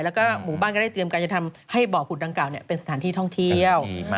แล้วก็หมู่บ้านก็ได้เตรียมการจะทำให้บ่อผุดดังกล่าวเป็นสถานที่ท่องเที่ยว